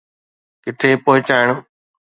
ڪٿي پهچائڻ.